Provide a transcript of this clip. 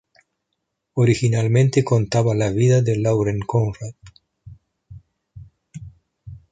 Originalmente contaba la vida de Lauren Conrad.